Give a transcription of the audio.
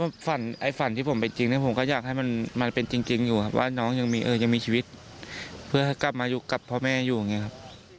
ก็ฝันไอ้ฝันที่ผมเป็นจริงเนี่ยผมก็อยากให้มันเป็นจริงอยู่ครับว่าน้องยังมียังมีชีวิตเพื่อให้กลับมาอยู่กับพ่อแม่อยู่อย่างนี้ครับ